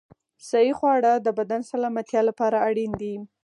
صحي خواړه د بدن سلامتیا لپاره اړین دي.